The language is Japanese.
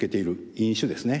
飲酒ですね。